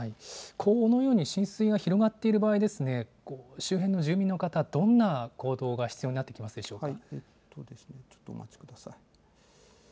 このように浸水が広がっている場合は、周辺の住民の方、どんな行動が必要になってきますでしょうか。